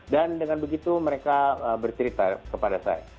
dan dengan begitu mereka bercerita kepada saya